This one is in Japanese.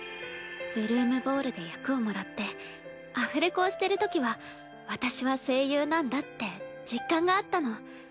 「ブルームボール」で役をもらってアフレコをしてるときは私は声優なんだって実感があったの。